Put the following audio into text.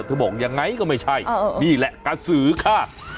บอกยังไงก็ไม่ใช่นี่แหละกระสือค่ะ